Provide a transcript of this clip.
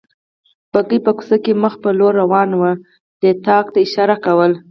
بګۍ په کوڅه کې مخ په لوړه روانه وه، دې طاق ته اشاره وکړل.